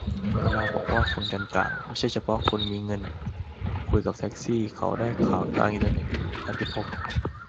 "เวลาบอกว่าคนชั้นกลาง ไม่ใช่เฉพาะคนมีเงิน คุยกับแท็กซี่ เขาได้ข่าวทางอินเทอร์เน็ต" - อติภพ